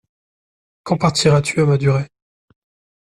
Quand partiras-tu à Madurai ?